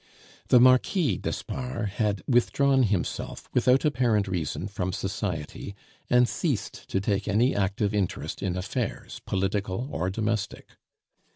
The Marquis d'Espard had withdrawn himself without apparent reason from society, and ceased to take any active interest in affairs, political or domestic.